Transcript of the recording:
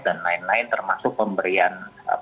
dan lain lain termasuk pemberian